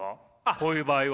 こういう場合は。